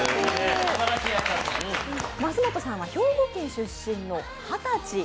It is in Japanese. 増本さんは兵庫県出身の二十歳。